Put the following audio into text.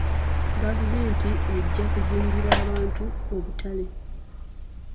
Gavumenti ejja kuzimbira abantu obutale.